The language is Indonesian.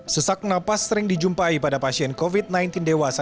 sesak napas sering dijumpai pada pasien covid sembilan belas dewasa